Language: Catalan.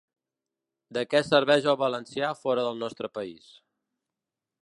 De què serveix el valencià fora del nostre país.